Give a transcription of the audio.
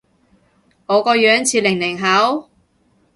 我個樣似零零後？